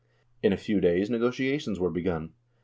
In a few days negotiations were begun.